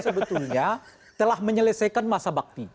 yang terakhir itu bahwasanya telah menyelesaikan masa bakti